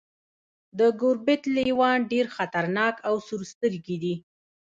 د ګوربت لیوان ډیر خطرناک او سورسترګي دي.